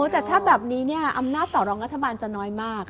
แต่ถ้าแบบนี้อำนาจต่อรองรัฐบาลจะน้อยมาก